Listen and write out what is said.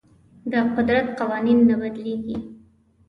د قدرت قوانین نه بدلیږي.